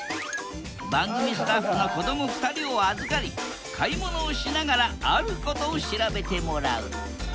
番組スタッフの子ども２人を預かり買い物をしながらあることを調べてもらう。